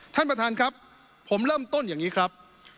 ท่านประธานครับผมเริ่มต้นอย่างนี้ครับ